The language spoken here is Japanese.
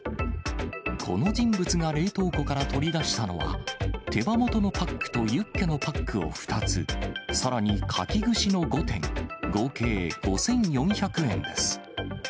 この人物が冷凍庫から取り出したのは、手羽元のパックとユッケのパックを２つ、さらにカキ串の５点、合計５４００円です。